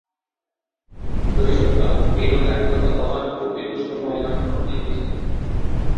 শৈশবকাল এই রোগে আক্রান্ত হবার ও মৃত্যুর সম্ভাবনা সবচেয়ে বেশি।